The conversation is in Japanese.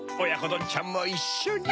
どんちゃんもいっしょに。